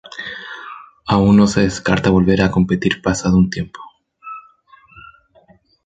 Aún no descarta volver a competir pasado un tiempo.